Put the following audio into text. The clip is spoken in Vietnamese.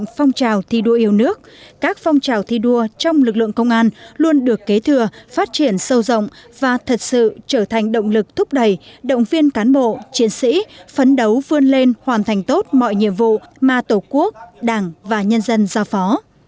các phong trào thi đua yêu nước các phong trào thi đua trong lực lượng công an luôn được kế thừa phát triển sâu rộng và thật sự trở thành động lực thúc đẩy động viên cán bộ chiến sĩ phấn đấu vươn lên hoàn thành tốt mọi nhiệm vụ mà tổ quốc đảng và nhân dân giao phó